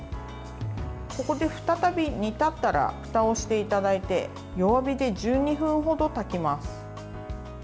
ここで再び煮立ったらふたをしていただいて弱火で１２分程炊きます。